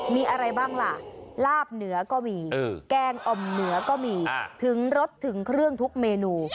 มีอะไรบ้างล่ะลาบเหนือก็มีแกงอ่อมเหนือก็มีถึงรสถึงเครื่องทุกเมนู